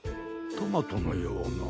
トマトのような。